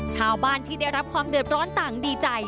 ชาวบ้านที่ได้รับความเดือดร้อนต่างดีใจ